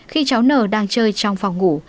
khi cháu n đang chơi trong phòng ngủ